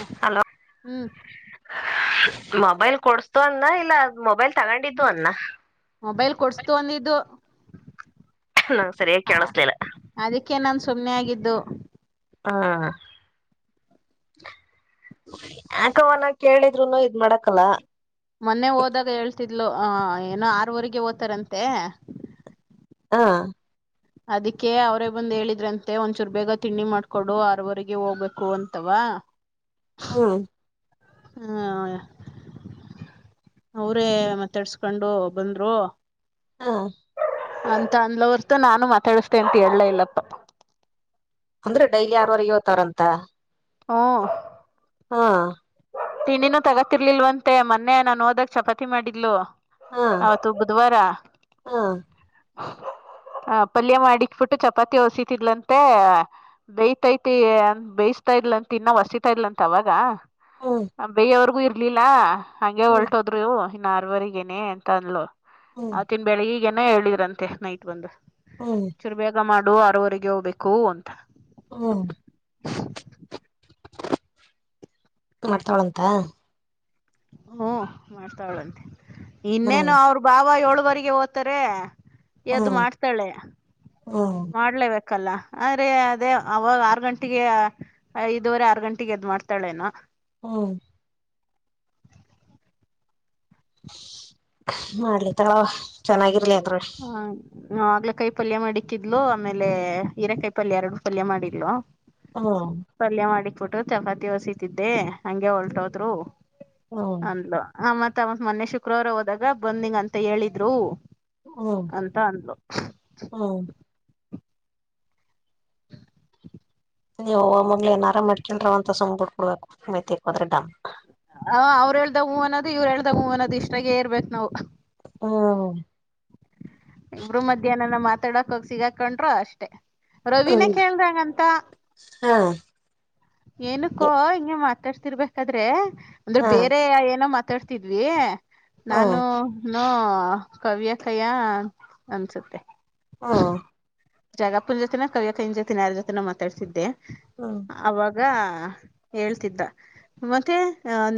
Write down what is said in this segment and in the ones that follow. ಹ ಹಲೋ ಹ್ಮ್ ಮೊಬೈಲ್ ಕೊಡ್ಸ್ತು ಅಂದ್ನ, ಇಲ್ಲ ಮೊಬೈಲ್ ತಗೊಂಡಿದ್ದು ಅಂದ್ನ. ಮೊಬೈಲ್ ಕೊಡ್ಸ್ತು ಅಂದಿದ್ದು. ನಂಗ್ ಸರಿಯಾಗಿ ಹ ಕೇಳಸ್ಲಿಲ್ಲ ಅದಕ್ಕೆ ನಾನ್ ಸುಮ್ಮ್ನೆ ಆಗಿದ್ದು. ಹಾ ಯಾಕವನ್ನ ಕೇಳಿದ್ರುನು ಇದ್ ಮಾಡಕಲ್ಲ. ಇಲ್ಲ ಹ ಏನೋ ಆರುವರೆಗೆ ಹೋತಾರಂತೆ. ಹಾ ಅದಿಕ್ಕೆ ಅವರೇ ಬಂದ್ ಹೇಳಿದ್ರಂತೆ ಒಂದ್ಚೂರು ಬೇಗ ತಿಂಡಿ ಮಾಡ್ಕೊಡು ಆರುವರೆಗೆ ಹೋಗ್ಬೇಕು ಅಂತವ. ಹಾ ಹ್ಮ್ ಹ ಅವರೇ ಮಾತಾಡ್ಸ್ಕೊಂಡು ಬಂದ್ರು. ಹಾ ಅಂತ ಅಂದಲು ಹೊರ್ತು ನಾನು ಮಾತಾಡಿಸ್ದೇ ಅಂತ ಹೇಳ್ಲೇ ಇಲ್ಲಪ್ಪ. ಅಂದ್ರೆ ಡೈಲಿ ಆರವರೆಗೆ ಏಳ್ತಾರಂತ? ಹಾ ಹಾಂ ತಿಂಡಿನೂ ತಗತಿರ್ಲಿಲ್ವಂತೆ ಮೊನ್ನೆ ನಾನು ಹೋದಾಗ್ ಚಪಾತಿ ಮಾಡಿದ್ಲು. ಹಾ ಅದು ಬುಧ್ವಾರ. ಹಾ [inaudible] ಹ ಪಲ್ಯ ಮಾಡಿಕ್ಬಿಟ್ಟು ಚಪಾತಿ ಹೊಸಿತಿದ್ಲಂತೆ ಬೇಯ್ತೈತಿ ಬೇಯ್ಸ್ ತಾ ಇದ್ಲಂತ ಇನ್ನ ವಸಿತಾ ಇದ್ಲಂತ ಅವಾಗ? ಹ್ಮ್ ಬೇಯೊವರ್ಗೂ ಇರ್ಲಿಲ್ಲ ಹಂಗೆ ಹ್ಮ್ ಹೊಲ್ಟೋದ್ರು. ನಾರ್ವರೆಗೇನೆೇ ಅಂತ ಅನ್ಲು ಹ್ಮ್ ಆಕೆ ಬೆಳಿಗ್ಗೆಗೆನೇ ಹೇಳಿದ್ರಂತೆ ನೈಟ್ ಬಂದು. ಹ್ಮ್ ಚೂರು ಬೇಗ ಮಾಡು ಆರುವರೆಗೆನೇ ಹೋಗ್ಬೇಕು ಅಂ ಹ್ಮ ಮಾಡ್ತಾಳಂತ ಹೂ ಮಾಡ್ತಾಳಂತೆ ಹ್ಮ್ ಇನ್ನೇನು ಅವ್ರ ಬಾಬಾ ಏಳುವರೆಗೆ ಹೋತರೆ. ಎದ್ ಹ್ಮ್ ಮಾಡ್ತಾಳೆ ಹ್ಮ್ ಮಾಡ್ಲೇಬೇಕು. ಕ್ಕಲ್ಲ ಆದ್ರೆ ಅದೇ ಅವಾಗ ಆರ್ ಗಂಟೆಗೆ ಐದುವರೆ ಆರ್ ಗಂಟೆಗೆ ಎದ್ ಮಾಡ್ತಾಳೇನೋ. ಹ್ಮ ಮಾಡ್ಲಿ ತಗಳವ ಚೆನ್ನಾಗಿರ್ಲಿ. ಅಂದ್ರ ಹಾ ಹಾಗಲ್ಕಾಯ್ ಪಲ್ಯ ಮಾಡಿಕ್ಕಿದ್ಲು ಆಮೇಲೆ ಹೀರೆಕಾಯ್ ಪಲ್ಯ ಎರಡು ಪಲ್ಯ ಮಾಡಿದ್ಲು. ಹಾ ಬಿಟ್ಟು ಚಪಾತಿ ಹೊಸತಿದ್ದೆ ಹಂಗೆ ಹೊಲ್ಟ್ಹೋದ್ರು ಹ್ಮ್ ಅಂದ್ಲು ಆ ಮತ್ತೆ ತ ಮೊನ್ನೆ ಶುಕ್ರವಾರ ಹೋದಾಗ ಬಂದಿಂಗಂತ ಹೇಳಿದ್ರು ಹ್ಮ್ ಅಂತ ಅಂದ್ಲು. ಹ್ಮ್ ಯವ್ವ ನೀವ್ ಏನಾರಾ ಮಾಡ್ಕಲ್ರವ್ವ ಅಂತ ಸುಮ್ ಬಿಡ್ ಕೊಡ್ಬೇಕು [unintelligible] ಹ ಅವ್ರ್ ಹೇಳ್ದಾಗ ಹೂ ಅನ್ನೋದು ಇವ್ರ್ ಹೇಳ್ದಾಗ ಹೂ ಅನ್ನೋದು ಇಷ್ಟಾಗೆ ಇರ್ಬೇಕು ನಾವು. ಹಾ ಇಬ್ರು ಮಧ್ಯಾಹ್ನನ ಮಾತಾಡಕ್ ಹೋಗ ಸಿಗಾಕೊಂಡ್ರು ಅಷ್ಟೇ ರವಿನ ಹ್ಮ್ ಕೇಳ್ದಂಗಂತ ಹಾ ಏನಕ್ಕೋ ಹಿಂಗಗೆ ಮಾತಾಡ್ತಿರ್ಬೇಕಾದ್ರೆ ಅಂದ್ರೆ ಹಾ ಬೇರೆ ಏನೋ ಮಾತಾಡ್ತಿದ್ವಿ ಹಾ ನಾನು ನೂ ಕವ್ಯ ಕಯ ಅನ್ಸುತ್ತೆ ಹಾ ಜಗಾಪ್ಪುನ ಜೊತೆನ ಕವ ಕನ ಜೊತೆ ನ ಯಾರ ಜೊತೆನ ಮಾತಾಡ್ತಿದ್ದೆ ಹಾ ಅವಾಗ ಹೇಳ್ತಿದ್ದ ಮತ್ತೆ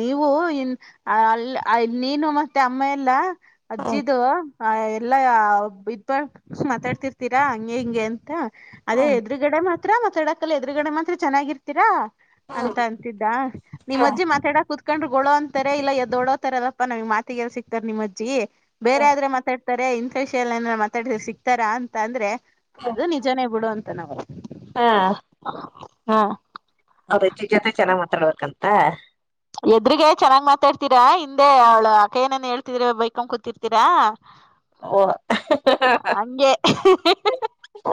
ನೀವು ಇ ಹ ನೀನು ಮತ್ತೆ ಅಮ್ಮ ಎಲ್ಲ ಹ್ಮ ಅಜ್ಜಿದು ಆ ಎಲ್ಲಾ ಇದ್ಬ ಮಾತಾಡ್ತಿರ್ತೀರಾ ಹೆಂಗೆ ಅಂತ ಅದೇ ಹ್ಮ್ ಎದುರುಗಡೆ ಮಾತ್ರ ಮತ್ ಎಡಕಲ್ಲ ಎದುರುಗಡೆ ಮಾತ್ರ ಚೆನ್ನಾಗಿರ್ತೀರಾ ಹ್ಮ್ ಅಂತ ಅಂತಿದ್ದ ನಿಮ್ಮ ಹ್ಮ ಅಜ್ಜೆ ಮಾತಾಡ ಕುತ್ ಸಿಕಂಡ್ರ್ ಗೊಳೋ ಅಂತಾರೆ ಇಲ್ಲ ಎದ ದೊಡೋತಾರ ಅದಪ್ಪ ನಮ್ ಮಾತಿಗೆಲ್ಲ ಸಿಕ್ತಾರೆ ನಿಮಜಿ ಬೇರೆ ಹ್ಮ್ ಆದ್ರೆ ಮಾತಾ ತಾರೆ ಇಂಥ ವಿಷಯಲ್ಲ ಏನಾರ ಮಾತಾಡಿದ್ರ ಸಿಕ್ತಾರಾ ಅಂತ ಅಂದ್ರೆ ಹ್ಮ್ ಅದು ನಿಜನೇ ಬಿಡು ಅಂತ ನರು ಹಾ ಹಾ ಅವರ ಅಜ್ಜಿ ಜೊತೆ ಚೆನ್ನಾಗ್ ಮಾತಾಡ್ಬೇಕಂತ ಎದ್ರಗ ಚೆನ್ನಾಗ್ ಮಾತಾಡ್ತೀರಾ ಹಿಂದೆ ಅವ್ಳ ಅಕ್ಕ ಏನನ್ ಹೇಳ್ತಿದ್ರ ಬೈಕೊ ಕೂತಿರ್ತೀರಾ ಓ ಹಂಗೆ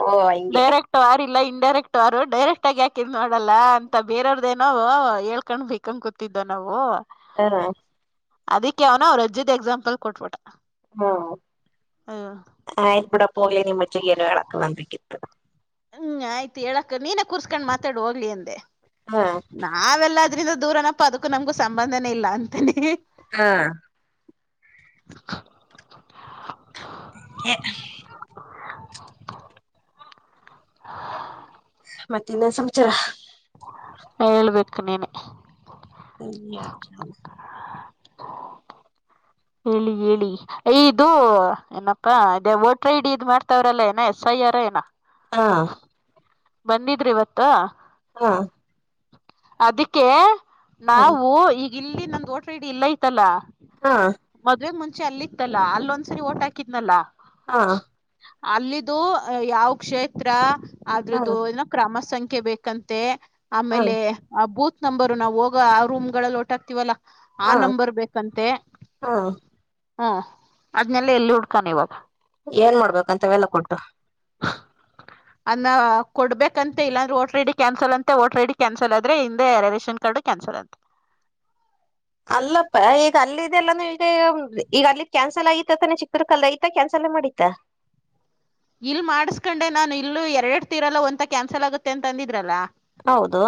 ಓ ಹಂಗೆ ಡೈರೆಕ್ಟ್ ವಾರಿಲ್ಲ ಇ ಡೈರೆಕ್ಟ್ ಅವರು ಡೈರೆಕ್ಟ್ ಆಗಿ ಯಾಕಿದ್ ನೋಡಲ್ಲ ಅಂತ ಬೇರವ್ರದೇನೋ ಹೇಳ್ಕೊಂಡ್ ಬಬೇಕ ಕೂ ತಿದ್ದ ನಾವು ಹ ಅದಿ ಯ ಅವನ ಅವ್ರ ರಜ್ಜದ ಎಕ್ಸಾಂಪಲ್ ಕೊಟ್ಬಿಟ ಹ್ಮ ಆಯ್ತು ಬಿಡಪ್ಪ ಹೋಗ್ಲಿ ನಿಮ್ಮಜ್ಜಿ ಏನೋ ನಂಬಿಕೆ ಇರುತ್ತದೆ ಹ್ಮ್ ಆಯ್ತು ಹೇಳಕ್ ನೀನ ಕೂರ್ಸ್ಕೊಂಡ್ ಮಾತಾಡ ಹೋಗ್ಲಿ ಅಂದೆ ಹಾ ನಾವೆಲ್ಲ ಅ್ರಂದ ದೂರನಪ್ಪ ಅದಕ್ಕೂ ನಮ್ಗ ಸಂಬಂಧನೇ ಇಲ್ಲ ಅ ಹಾ [inaudible] ಹ [unintelligible] ಹ ಮತ್ತೆ ಇನ್ನನು ಸಮಾಚಾರ ಹೇಳ್ಬೇಕು ನೀನೆ ಸರಿಯ ಹೇಳಿ ಹೇಳಿ ಇದು ಏನಪ್ಪಾ ಅ ವೋಟ್ರ ಐ ಡಿ ಇದ್ ಮಾಡ್ತವ್ರಲ್ಲ ಏನ ಎಸ್ ಐ ಯಾರಏನಾ ಹಾ ಬಂದಿದ್ರಿ ಇವತ್ತ ಹಾ ಅದಕ್ಕೆ ಹಾ ನಾವು ಈಗ ಇಲ್ಲಿ ನಮ ವೋಟರ್ ಐಡಿ ಇಲ್ಲ ಐತಲ್ಲ ಹಾ ಮದ್ವೆ ಮುಂಚೆ ಅಲ್ಲಿ ಇತ್ತಲ್ಲ ಅಲ್ಲೊಂದ್ಸರಿ ಓಟ್ ಹಾಕಿದ್ನಲ್ಲಾ ಹಾ ಅಲ್ಲಿದ್ದು ಯಾವ ಕ್ಷೇತ್ರ ಹಾ ಏನ ಕ್ರಮ ಸಂಖ್ಯೆ ಬೇಕಂತೆ ಹಾ ಆಮೇಲೆ ಆ ಬೂತ್ ನಂಬರು ನಾವು ಹೋಗ ಆ ರೂಮ್ ಗಳಗಳಲ್ಲಿ ವೋಟ್ ಆಗ್ತಿವಲ್ಲಾ ಆ ನಂಬರ್ ಬೇಕಂತೆ ಹಾ ಹ್ಮ್ ಅದ್ನೆೆಲ್ಲ ಎಲ್ಲಿ ಹುಡ್ಕಾನ ಇವಾಗ ಏನ್ ಮಾಡ್ಬೇಕಂತ ಎಲ್ಲ ಕೊಟ್ಟು [unintelligible] ಅನ್ನ ಕೊಡ್ಬೇಕಂತ ಇಲ್ಲಾಂದ್ರೆ ಓಟ್ರ ಡಿ ಕ್ಯಾನ್ಸಲ್ ಅಂತೆ ವಓಟ ರ ಡಿ ಕ್ಯಾನ್ಸಲ್ ಆದ್ರೆ ಹಿಂದೆ ರೇಷನ್ ಕಾರ್ಡ್. ಕ್ಯಾನ್ಸರ್ ಆ. [inaudible] ಅಲ್ಲಪ್ಪ ಈಗ ಅಲ್ಲಿದೆಲ್ಲಾನ ಈ ಈಗ ಅಲ್ಲಿ ಕ್ಯಾನ್ಸಲ್ ಆಗತತಾನೆ ಚಿಕ್ಕದ ಕಐತ ಕ್ಯಾನ್ಸಲ್. ಲ್ಲ ಮಾಡಿತಾ. ಇಲ್ ಮಾಡಸ್ಕೊಂಡೆ ನಾನನ್ ಇಲ್ಲೂ ಎರಡ್ ತೀರಲ್ಲ ಒಂತ ಕ್ಯಾನ್ಸಲ್ ಆಗುತ್ತೆ ಅಂತ ಅಂದಿದ್ರಲ್ಲ. ಹೌದು.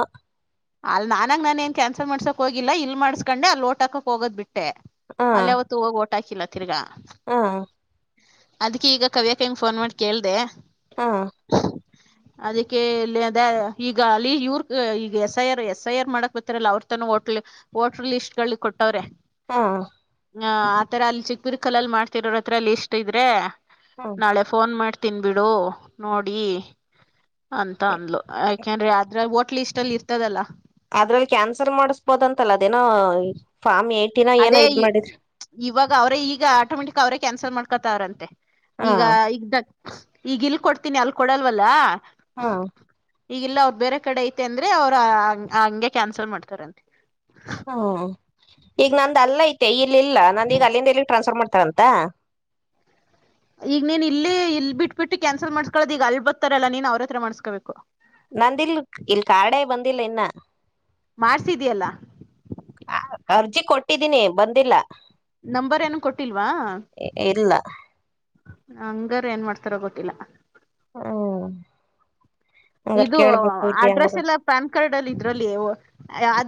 ಅಲ್ ನಾನಾಗ ನಾನ ಏನ್ ಕ್ಯಾನ್ಸಲ್ ಮಾಡಸಕ್ ಹೋಗಿಲ್ಲ ಇಲ್ ಮಾಡಸ್ಕೊಂಡೆ ಅ ಲೋಟ ಹಾಕಕ್ ಹೋಗದ್ ಬಿಟ್ಟು. ಷ್ಟೆ ಅಲ್ಲೇ ಅವತ್ತು ಹೋಗಿ ಓಟ ಹಾಕಿಲ್ಲ ತಿರ್ಗಾ. ಹಾ. ಅದ್ಕ ಈಗ ಕವ್ಯಾಕ ಹಂಗಗೆ ಫೋನ್ ಮಾಡಿ ಕೇಳ್ದ. ಹಾ. ಅದಕ್ಕೆ ಇಲ್ಲಿ ಅದ ಈಗ ಅಲ್ಲಿ ಇವ್ರ ಈಗ S I R S I R ಮಾಡಕ್ ಬರ್ತಾರಲ್ಲ ಅವ್ರ ತ ಹೋಟ್ ಲಿಸ್ಟ್. ವೋಟರ್ ಲಿಸ್ಟ್ ಗಳು ಕೊಟ್ಟವ್ರೆ. ಹಾ. ಹ ಆತರ ಅಲ್ಲಿ ಚಿಕ್ಕಬುರ್ ಕಲ್ಲ್ಲಿ ಮಾಡ್ತಿರೋರ ಹತ್ರ ಲಿಸಸ್ ಇದ್ರೆ ನಾಳೆ ಫೋನ್ ಮಾಡ. ತಿನ್ಬಿಡು ನೋಡಿ ಅಂತ ಅಂದ್ಲು ಯಾಕಂದ್ರಿ ಅ್ರ ಒ. ಲೀಸ್ಟ್ ಅಲ್ಲಿ ಇರ್ತದಲ್ಲ. ಅದ್ರಲ್ಲಿ ಕ್ಯಾನ್ಸಲ್ ಮಾಡಸ್ಬೋದ ಅಂತಲ್ಲ ಅದೇನೋ ಫಾರ್ಮ್ ಏ. ಅದೇ ಇವಾಗ ಅವರೇ ಈಗ ಆಟೋಮೆಟಿಕ್ ಅವರೇ ಕ್ಯಾನ್ಸಲ್ ಮಾಡ್ಕೊತಾವ್ರಂತೆ. ಹಾ ಈಗ ಈಗ ಈಗ ಇಲ್ ಕೊಡ್ತೀನಿ ಅಲ್ ಕೊಡಲ್ವಲ್ಲ. ಹಾ. ಈಗಿಲ್ಲ ಅವ್ರ ಬೇರೆ ಕಡೆ ಐತೆ ಅಂದ್ರೆ ಅವ್ರ ಹಂಗೆ ಕ್ಯಾನ್ಸಲ್ ಮಾಡ್ತಾರಂತೆ. ಹ್ಮ ಈಗ ನಂದ ಅಲ್ಲ ಐತೆ ಇಲ್ಲಿ ಇಲ್ಲ ನಂದೀಗ ಅಲ್ಲಿಂದ ಎಲ್ಲಿ ಟ್ರಾನ್ಸ್ಫರ್ ಮಾಡ್ತನಿ. ರಂತ. ಈಗ ನೀನ್ ಇಲ್ಲಿ ಇಲ್ ಬಿಟ್ ಬಿಿಟ್ಟು ಕ್ಯಾನ್ಸಲ್ ಮಾಡಸ್ಕೊಳ್ಳದ್ ಈಗ ಅಲ್ ಬರ್ತಾರಲ್ಲ ನೀನ್ ಅವ್ರ ಹತ್ರ ಮಾಡ್ಸ್ಕೋಬೇಕು. ನಂದಿಲ್ ಇಲ್ ಕಾಡೆ ಬಂದಿಲ್ಲ ಇನ್ನ. ಮಾಡ್ಸಿದಯಲ್ಲ. ಅರ್ಜಿ ಕೊಟ್ಟಿದ್ದೀನಿ ಬಂದಿಲ್ಲ. ನಂಬರ್ ಏನು ಕೊಟ್ಟಿಲ್ವಾ. ಇಲ್ಲ ಹಂಗಾರ ಏನ್ ಮಾಡ್ತಾರ ಗೊತ್ತಿಲ್ಲ. ಹ್ಮ. ಇದು ಅಡ್ರೆಸ್ ಎಲ್ಲ ಪ್ಯಾನ್ ಕಾರ್ಡ್ ಅಲ್ಲಿ ಇದ್ರಲ್ಲಿ.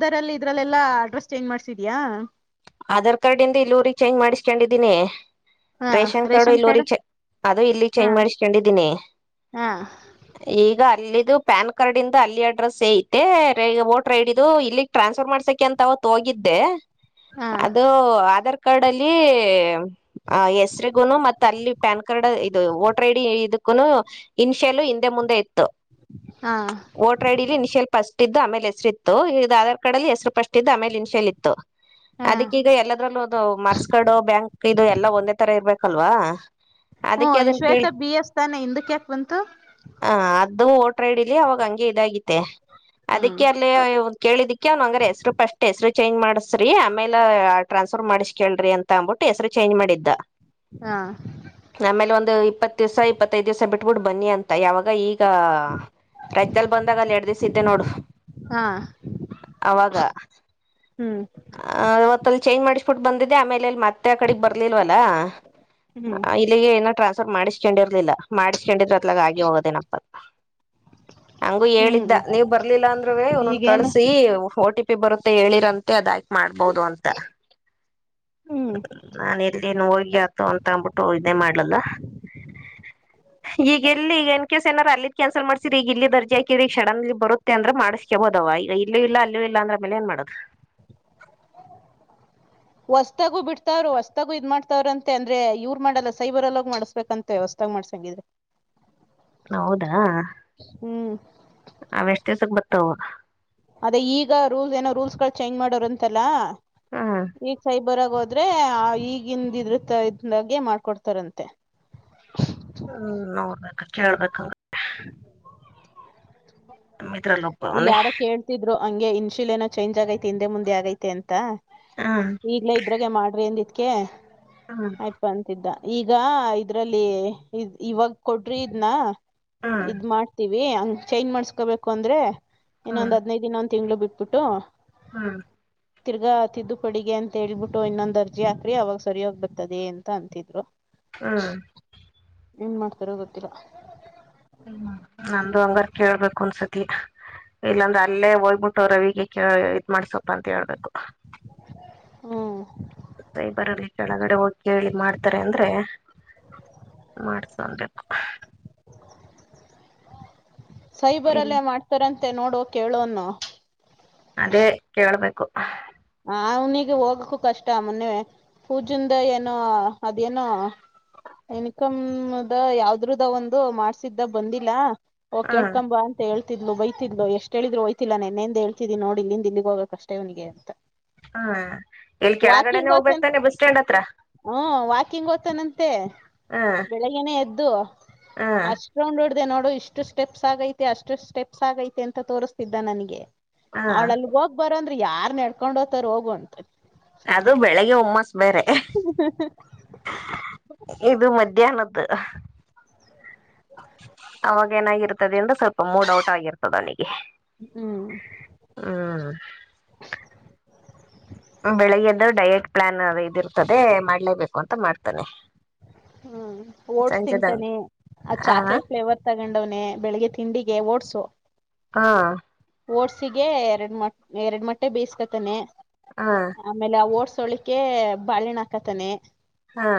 ದರಲ್ಲಿ ಇದ್ರಲ್ಲೆಲ್ಲಾ ಅಡ್ರೆಸ್ ಚೇಂಜ್ ಮಾಡ್ಸಿದ್ಯಾಾ. ಆಧಾರ್ ಕಾರ್ಡ್ ಇಂದ ಇಲ್ಲೂರಿ ಚೇಂಜ್ ಮಾಡಿಸ್ಕೊಂಡಿದ್ದೀನಿ. ಹಾ ರೇಷನ್ ಕಾರ್ಡು ಇಲ್ಲಿವ ಕಾರ್ಡ್ ಅದು ಇಲ್ಲಿ ಹಾ ಚೇಂಜ್ ಮಾಡಿಸಕೊಂಡಿದ್ದೀನಿ. ಹಾ ಈಗ ಅಲ್ಲಿ. ಇದು ಪ್ಯಾನ್ ಕಾರ್ಡ್ ಇಂದ ಅಲ್ಲಿ ಅಡ್ರೆಸ್ ಸ ಐತೆ ವೋಟರ್ ಐಡ್ ಇದು ಇಲ್ಲಿ ಟ್ರಾನ್ಸ್ಫರ್ ಮಾಡ್ಸಕೆ ಅಂತ ಅವೋಗಿ. ಇದ್ದೆ. ಹಾ ಅದು ಆಧಾರ್ ಕಾರ್ಡ್ ಅಲ್ಲಿ ಆ ಹೆಸರಿಿಗೂನು ಮತ್ತ ಅಲ್ಲಿ. ಪ್ಯಾನ್ ಕಾರ್ಡ್ ಇದು ವೋಟರ್ ಐ ಡಿ ಇದಕ್ಕೂ ಇನ್ಷಿಯಲ್ ಹಿಂದೆ ಮುಂದೆ. ಹಾ ಓಟ್ರಾಡ್ರರಿ ಸ್ವಲ್ಪ ಅಷ್ಟ. ಇು ಆಮೇಲೆ ಹೆಸರು ಇತ್ತು ಈದು ಆಧಾರ್ ಕಾರ್ಡ್ ಅಲ್ಲಿ ಹೆಸರು ಪಟ್ಟಿದ್ದು ಆಮೇಲೆ ಇನ್ಷೇಲ್ ಇತ್ತು. ಹಾ ಅದಕ್ಕೀಗ ಎಲ್ಲದ್ರಲ್ಲೂ ಒ ಮರ್ಸ್ಕಡು ಬ್ಯಾಂಕ್ ಇದು ಎಲ್ಲಾ ಒಂದೇ ತರ ಇರ್ಬೇಕಲ್ವಾ. ಹ್ಮ ಅದಕ್ಕೆ ಅದನ್ನ ಕೇಳಿ ಶ್ವೇತಾ ಬಿ ಎಸ್ ತಾನೆ ಹಿಂದಕ್ ಯಾಕೆ ಬಂತು ಹ ಅದು. ಇಲಿ ಅವಾಗ ಹಂಗೆ ಇದಾಗಿ ಹ್ಮ್ ಅದಕ್ಕೆ ಅಲ್ಲಿ ಕೇಳಿದಿಕ್ಕೆ ಅವ್ನು ಹಂಗ್ರ ಹೆಸರು ಪಷ್ಟಟ್ ಹೆಸರು. ಚೇಂಜ್ ಮಾಡಸ್ರಿ ಆಮೇಲೆ ಟ್ರಾನ್ಸ್ಫರ್ ಮಾಡಿಸ ಕೇಳ್ರಿ ಅಂತ ಅಂದ್ಬಿಟ್ಟು ಹೆಸ್ರ ಚೇಂಜ್ ಮಾಡಿದ್ದ. ಹಾ. ಆಮೇಲೆ ಒಂದು ಇಪ್ಪತ್ ದಿವ್ಸ ಇಪ್ಪತ್ತೈದ್ ದಿವ್ಸ ಬಿಟ್ಬಿಟ್ಟ ಬನ್ನಿ ಅಂತ ಯಾವಾಗ ಈಗ. ರಜಲ್ ಬಂದಾಗ ಅಲ್ಲಿ ಎರಡ್ ದಿವಸ ಇದ್ದೆ ನೋಡು. ಹಾ ಅವಾಗ ಹ್ಮ್ ಆವತ್ತಲ್ಲಿ ಚೇಂಜ್ ಮಾಡಿಸ್ಬಿು ಬಂದಿದೆ ಆಮೇಲೆ ಅಲ್ಲಿ ಮತ್ತೆ ಆ ಕಡೆ ಬರ್ಲಿಲ್ವಲ್ಲ ಹ್ಮ್ ಇಲ್ಲಿಗೆ ಟ್ರಾನ್ ಸಪರ್ ಮಾಡಿಸ್ಕೊಂಡಿರ್ಲಿಲ್ಲ. ಮಾಡಿಸಕೊಂಡಿದ್ರೆ ಅತ್ಲಾಗ ಆಗಿ ಹೋಗೋದೇನಪ್ಪ. ಹಂಗು ಹೇಳಿದ್ದ ಹ್ಮ್ ನೀವ್ ಬರ್ಲಿಲ್ಲ ಅಂದ್ೂ ಒನ್ನೊಂದ ಈಗೇನು ಕಳ್ಸಿ ಒಟಿ ಪಿ ಬರುತ್ತೆ ಹೇಳಿರಂತೆ, ಅದಯ್ಕ ಮಾಡ್ಬೋದು ಅಂತ ಹ್ಮ್ ನಾನ ಎಲ್ಲಿನು ಹೋಗಿ ಆತು ಅಂತ ಅಂದ್ಬಿಟ್ಟು ಇದೇ ಮಾಡ್ಲಲ್ಲ. [unintelligible] ಈಗಗೆಲ್ಲಿ ಈಗಏನ್ ಕಸ್ ಏನಾರ ಅಲ್ಲಿದ ಕ್ಯಾನ್ಸಲ್ ಮಾಡಸೀರಿ ಈಗ ಇಲ್ಲಿ ದರ್ಜಿ ಹಾಕಿ ಈ ಷಡನ್ಲ್ ಬರುತ್ತೆ ಅಂದ್ರೆ ಮಾಡಿಸಕೊಬಹದು. ವಾ ಈಗ ಇಲ್ಲೂ ಇಲ್ಲ ಅಲ್ಲೂ ಇಲ್ಲ ಅಂದ್ರ ಮೇಲೆ ಏನ್ ಮಾಡದು? ಹೊಸದಾಗು ಬಿಡ್ತಾವ್ರರು. ಹೊಸ್ತಾಗು ಇದ್ ಮಾಡ್ತಾವ್ರ ಅಂತೆ ಅಂದ್ರೆ ಇವ್ರು ಮಾಡಲ್ಲ ಸೈಬರ್ ಎಲ್ಲೋಗ ಮಾಡಸ್ಬೇಕಂತೆ ಹೊಸದಾಗ್ ಮಾಡ್ಸಂಗಿದ್ರೆ ಹೌದಾ ಹ್ಮ್ ಅವ ಎಷ್ಟ್ ದಿವ್ಸಕ್ಕೆ ಬರ್ತಾವ? ಅದೇ ಈಗ ರೂಲ್ಸ್ ಏನೋ ರೂಲ್ಸ್ ಗಳು ಚೇಂಜ್ ಮಾಡೋರು ಅಂತಲ್ಲ ಹ್ಮ್ ಈಗ ಸೈ ಬರಾಗ ಹೋದ್ರೆ ಆ ಈಗಿಂದ ಇದ್ರ ಇದಾಗೆ ಮಾಡ್ಕೊಡ್ತಾರಂತೆ. ಹ್ಮ್ ನೋಡ್ಬೇಕ ಕೇಳ್ಬೇಕ. [unintelligible] [unintelligible] ಇಲ್ಲ ಒಬ್ಬವನೆ ಯಾರೋ ಕೇಳ್ತಿದ್ರು. ಹಂಗೆ ಇನ್ಶುಲನ ಚೇಂಜ್ ಆಗೈತಿ ಹಿಂದೆ ಮುಂದೆ ಆಗೈತೆ ಅಂತ ಹ್ಮ್ ಈಗ್ಲೇ ಇದ್ರಾಗೆ ಮಾಡ್ರಿಂದಿ ಕೇ ಹ್ಮ್ ಆಯ್ತು ಅಂತಿದ್ದ ಈಗ ಇದ್ರಲ್ಲಿ್ ಇವಾಗ ಕೊಡ್ರಿ ಇದ್ನ. ಹ್ಮ್ ಇದ್ ಮಾಡ್ತೀವಿ ಹಂಗ್ ಚೈಂಜ್ ಮಾಡಸ್ಕೋಬೇಕು ಅಂದ್ರೆ ಇನ್ನೊಂದ್ ಹದ್ನೈದ ದಿನ ತಿಂಳ ಬಿಟ್ಬಿಟ್ಟು ಹಾ ತಿರ್ಗಾತಿದ್ದು ಪಡಿಗೆ ಅಂತ ಹೇಳ್ಬಿಟ್ಟು ಇನ್ನೊಂದ್ ಅರ್ಜಿ ಹಾಕ್ರಿ ಅವಾಗ ಸರಿಯೋಗ್ ಬರ್ತದೆ ಅಂತ ಅಂತಿದ್ರು ಹ್ಮ್ ಏನು ಮಾಡ್ತಾರೋ ಗೊತ್ತಿಲ್ಲ ಹ್ಮ್ ನಂದುು ಹಂಗಾರ್ ಕೇಳ್ಬೇಕು ಒನ್ಸತಿ. ಇಲ್ಲಾಂದ್ರೆ ಅಲ್ಲೇ ಹೋಗ್ಬಿಟ್ಟವ್ ರವಿಗೆ ಇದ್ ಮಾಡ್ಸೊಪ್ಪ ಅಂತ ಹೇಳ್ಬೇಕು. ಹ್ಮ ಸೈಬರ್ ಅಲ್ಲಿ ಕೆಳಗಡೆ ಹೋಗಿ ಕೇಳಿ ಮಾಡ್ತಾರೆ, ಅಂದ್ರೆ ಮಾಡಸ್ಕೊಬೇಕು. ಇಲ್ ಸೈಬರ್ಲ್ಲೇ ಮಾಡ್ತಾರಂತೆ ನೋಡುುವ ಕೇಳೋನು. ಅದೇ ಕೇಳ್ಬೇಕು. ಆ ಅವ್ನಿಿಗೆ ಹೋಗಕ್ಕೂ ಕಷ್ಟ ಮೊನ್ನವೆ ಪೂಜಿಂದ ಏನೋ ಅದೇನೋ ಎನ್ಕಮದ ಯಾವ್ದ್ರದ ಒಂದು ಮಾಡ್ಸಿದ್ದ ಬಂದಿಲ್ಲ ಓ ಹ್ಮ್ ಕೇಳ್ಕಂಬಾ ಅಂತ ಹೇಳೇಳ್ ಿದ್ಲು ಬೈತಿದ್ಲು ಎಷ್ಟ ಹೇಳಿದ್ರು ಬಯ್ಲ್ಲ ನನ್ನೆಂದೇಳ್ತಿದನಿ ನಡಿಲ್ಲಿ ಇಂದ ಇಲ್ಲಿಗ್ೋಗಬೇಕಕ್ಷ್ಟ ಇ್ನಿಗೆ ಅಂತ. ಹ್ಮ ಇಲ್ಲಿ ಕೆಳಗಡೆನೆೇ ಹೋಗ್ಬೇಕಕ್ತಾನನೆ ಬಸ್ ಸ್ಟ್ಯಾಂಡ್ ಹತ್ರ ಹ್ಮ ವಾಕಿಂಗ್ ಓದ್ತಾನಂತೆ ಹ್ಮ್ ಬೆಳಿಗ್ನೆೇ ಎದ್ದು ದು ಹ್ಮ್ ಅಷ್ಟೌ್ ಇದೆ ನೋಡು ಇಷ್ಟು ಸ್ಟೆಪ್ಸ್ ಆಗೈತೆ ಅಷ್ಟು ಸ್ಟೆಪ್ಸ್ ಆಗೈತೆ ಅಂತ ತೋರಿಸ್ತಿದ್ದ ನನಗೆ. ಹ್ಮ್ ಅವ್ಳಲ್ಲಿ ಹೋಗ್ ಬರ ಅಂದ್ರ ಯಾರ್ ನಡ್ಕೊಂಡ್ ಹೋಗ್ತಾರ ಹೋಗುವ ಅಂತ. ಅದು ಬೆಳಿಗ್ಗೆ ಹುಮ್ಮಸ್ ಬೇರೆ ಇದು ಮಧ್ಯಾಹ್ನದ್ದು ಅವಾಗ ಏನಾಗಿರ್ತದೆ ಅಂದ್ರ ಸ್ವಲ್ಪ ಮೂಡ್ ಔಟ್ ಆಗಿರ್ತದ ಅವನಿಗೆ. ಹ್ಮ್ ಹ್ಮ್ ಬೆಳಿಗ್ಗೆದ್ದು ಡಯಟ್ ಪ್ಲಾನ್ ಅ ಇದ ಇರ್ತದೆ ಮಾಡ್ಲೇಬೇಕು ಅಂತ ಮಾಡ್ತಾನನೆ ಹ್ಮ್ ಓಟ್ಸ್ ತಿಂತಾನೆ ಅ್ ಹ ಚಾಕ್ಲೇಟ್ ಫ್ಲೇವರ್ ತಗೊಂಡವ್ನನೆ ಬೆಳಿಗ್ಗೆ ತಿಂಡಿ ಗೆ ಓಡ್ಸು ಹಾ ಓಟ್ಸಿಗೆ ಎರಡು ಮ ಎರಡು ಮೊಟ್ಟೆ ಬೇಯಿಸಕೊತಾನೆ ಹ ಆಮೇಲೆ ಆ ಓಟ್ಸ್ ಸೋಳಿಕೆ ಬಾಳೆಹಣ್ಣು ಹಾಕತಾನೆ ಹ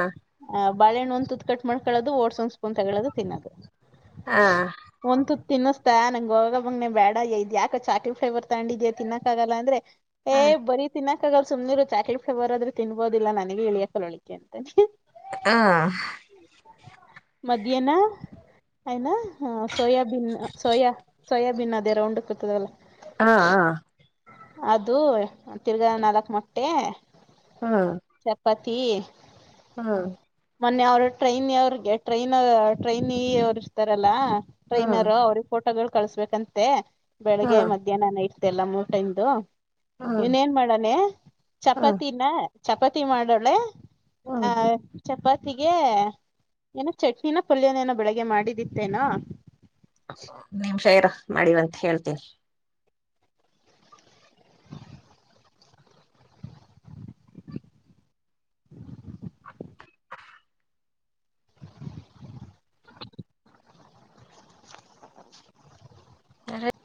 ಬಾಳಹಣ್ಣ ಒಂದ್ ತುತ್ ಕಟ್ ಮಾಡ್ಕೊಳ್ಳೋದು ಓಡ್ಸೊ ಸ್ಪೂನ್ ಅ ತೊಗೊಳೋದು ತಿನ್ನೋದು ಹಾ ಒಂದ್ ತುತ್ ತಿನ್ನಿಸ್ತಾ ನಂಗಗೆ ಹೋಗ ಬಂಗ್ನೆ ಬೇಡ ಇದದ್ ಯಕ ಚಾಕ್ಲಟ್ ಫಲೇವರ್ ತಗೊಂಡಿದೀ ತಿನ್ನಕ್ಕ ಆಗಲ್ಲ ಅಂದ್ರೆ ಹ ಏ ಬರೀ ತಿನ್ನಕ್ ಆಗ ಸುಮನೂರು ಚಾಕಲಿಟ್ ಫಲೇವರ್ ಆದ್ರೆ ತಿನ್ಬೋದಿಲ್ಲ ನನಗೆ ಇಳಿಯಕಲ ಒಳಿಕೆ ಅಂತಾನೇ ಹ ಮಧ್ಯನ ಆಯನಾ ಹ ಸೋಯಾಬೀನ್ ಸೋಯಾ ಸೋಯಾಬೀನ್ ಅದೇ ರೌಂಡ್ ಬತ್ತತಲ ಹಾ ಅದು ತಿರ್ಗಾ ನಾಲ್ಕ್ ಮೊಟ್ಟೆ ಹಾ ತೀ ಹಾ ಮೊನ್ನೆ ಅವ್ರು ಟ್ರೈನ್ ಅವ್ರಿಗೆ ಟ್ರೈನ್ ಟ್ರೈನೀ ಅವ್ರು ಇರ್ತಾರಲ್ಲಾ ಟ್ರೈನರ್ ಅವ್ರಿಗೆ ಫೋಟೋಗಳು ಕಳಸ್ಬೇಕಂತೆ ಹಾ ಬೆಳಿಗ್ಗೆ ಮಧ್ಯಾಹ್ನ ನೈಟ್ ಎಲ್ಲ ಮೂರ್ ಟೈಮ್ ದು ಇನ್ ಏನ್ ಮಾಡಾನೆ ಹಾ ಚಪಾತಿನ ಚಪಾತಿ ಮಾಡೋಳೆ ಹಾ ಆ ಚಪಾತಿಗೆ ಏನೋ ಚಟ್ನಿನ ಪುಲ್ಯನೇಏನೋ ಬೆಳಗ್ಗೆ ಮಾಡಿದಿತ್ತೇನಾ ಒಂದು ನಿಮಿಷ ಇರು ಮಾಡುವಂತೆ ಹೇಳ್ತೀನಿ [inaudible]